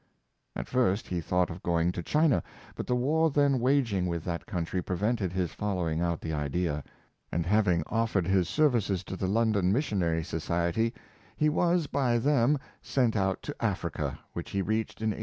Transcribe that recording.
At first he thought of going to China, but the war then waging with that country prevented his following out the idea; and hav ing offered his services to the London Missionary So 288 yoliii Howard, ciet}^, he was by them sent out to Africa, which he reached in 1840.